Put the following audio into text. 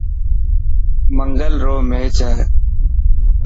منگل رو ميچ هي.